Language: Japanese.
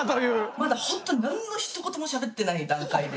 まだ本当何のひと言もしゃべってない段階で。